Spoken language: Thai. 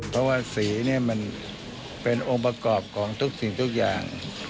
เพราะว่าสีนี่มันเป็นองค์ประกอบของทุกสิ่งทุกอย่าง